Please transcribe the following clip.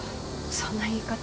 そんな言い方。